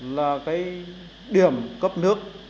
là cái điểm cấp nước